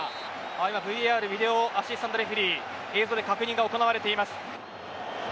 今、ＶＡＲビデオアシスタントレフリー映像で確認が行われています。